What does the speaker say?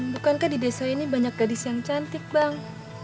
bukankah di desa ini banyak gadis yang cantik bang